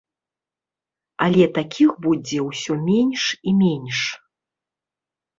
Але такіх будзе ўсё менш і менш.